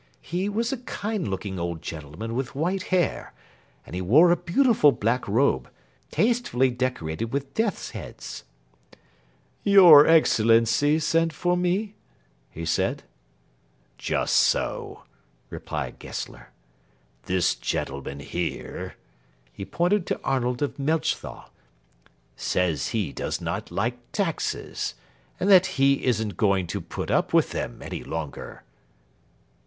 He was a kind looking old gentleman with white hair, and he wore a beautiful black robe, tastefully decorated with death's heads. "Your Excellency sent for me?" he said. "Just so," replied Gessler. "This gentleman here" he pointed to Arnold of Melchthal "says he does not like taxes, and that he isn't going to put up with them any longer."